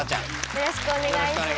よろしくお願いします。